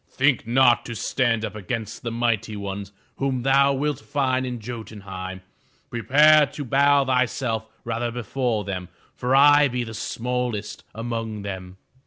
Think not to stand up against the mighty ones 439 MY BOOK HOUSE whom thou wilt find in Jo'tun heim. Prepare to bow thyself rather before them, for I be the smallest among them!"